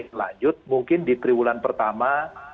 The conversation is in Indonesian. trend ini lanjut mungkin di triwulan pertama dua ribu dua puluh satu